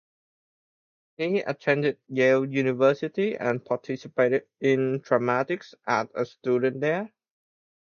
He attended Yale University and participated in dramatics as a student there.